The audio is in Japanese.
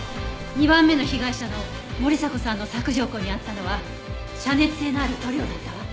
２番目の被害者の森迫さんの索条痕にあったのは遮熱性のある塗料だったわ。